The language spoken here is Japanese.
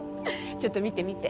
ちょっと見て見て。